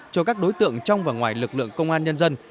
cho các đối tượng trong và ngoài lực lượng công an nhân dân